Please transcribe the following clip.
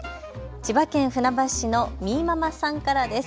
千葉県船橋市のみーママさんからです。